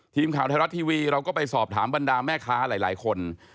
ทีมข่าวไทยรัฐทีวีเราก็ไปสอบถามบรรดาแม่ค้าหลายคน